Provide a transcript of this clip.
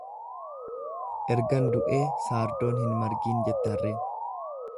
Ergan du'ee saardoon hin margiin jette harreen.